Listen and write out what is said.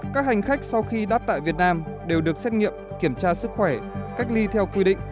các hành khách sau khi đáp tại việt nam đều được xét nghiệm kiểm tra sức khỏe cách ly theo quy định